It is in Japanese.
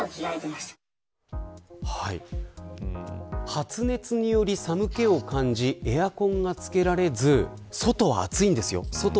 発熱により寒気を感じエアコンがつけられず外は暑いんですよ。